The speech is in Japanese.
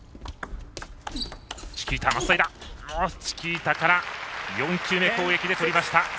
チキータから４球目攻撃で取りました。